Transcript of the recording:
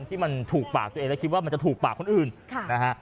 ที่มันถูกปากตัวเองและคิดว่ามันจะถูกปากคนอื่นค่ะนะฮะ